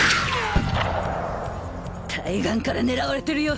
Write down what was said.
対岸から狙われてるよ！